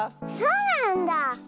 そうなんだ。